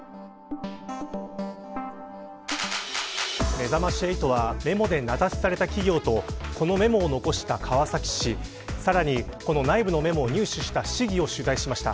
めざまし８は、メモで名指しされた企業とこのメモを残した川崎市さらに、この内部のメモを入手した市議を取材しました。